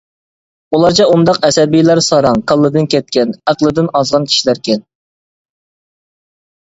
ئۇلارچە ئۇنداق ئەسەبىيلەر ساراڭ، كاللىدىن كەتكەن، ئەقلىدىن ئازغان كىشىلەركەن.